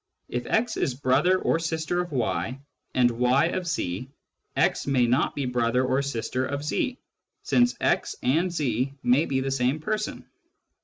If x is brother or sister of y, and y ot z, x may not be brother or sister of z, since x and z may be the same person.